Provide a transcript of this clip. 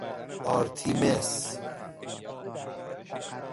آرتیمِس